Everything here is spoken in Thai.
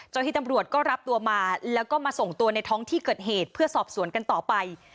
ที่ตำรวจก็รับตัวมาแล้วก็มาส่งตัวในท้องที่เกิดเหตุเพื่อสอบสวนกันต่อไป